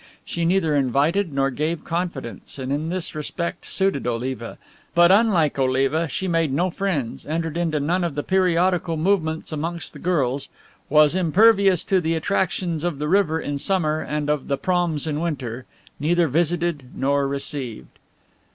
She neither invited nor gave confidence, and in this respect suited Oliva, but unlike Oliva, she made no friends, entered into none of the periodical movements amongst the girls, was impervious to the attractions of the river in summer and of the Proms in winter, neither visited nor received.